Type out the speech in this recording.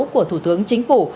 của thủ tướng chính phủ